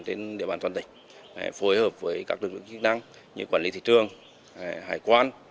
trên địa bàn toàn tỉnh phối hợp với các lực lượng chức năng như quản lý thị trường hải quan